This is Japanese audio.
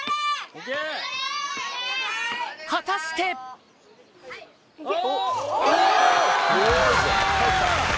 果たして⁉え？